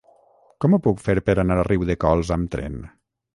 Com ho puc fer per anar a Riudecols amb tren?